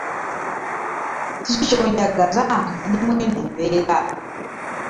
Kiki ky'onjagaza nga ndi mw'eno embeera?